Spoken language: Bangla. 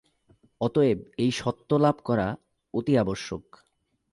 অতএব এই সত্ত্ব লাভ করা অতি আবশ্যক।